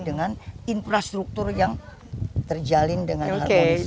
dengan infrastruktur yang terjalin dengan harmonis